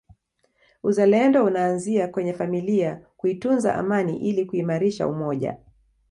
Uzalendo unaanzia kwenye familia kuitunza amani ili kuimarisha umoja